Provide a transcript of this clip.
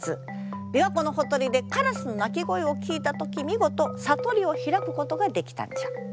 琵琶湖のほとりでカラスの鳴き声を聞いた時見事悟りを開くことができたんじゃ。